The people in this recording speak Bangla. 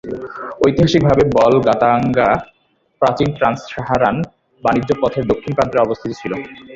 ঐতিহাসিকভাবে বলগাতাঙ্গা প্রাচীন ট্রান্স-সাহারান বাণিজ্য পথের দক্ষিণ প্রান্তে অবস্থিত ছিল।